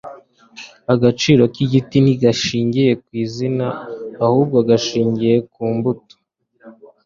Agaciro k'igiti ntigashingiye kw'izina, ahubwo gashingiye ku mbuto